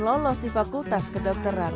lulus di fakultas kedokteran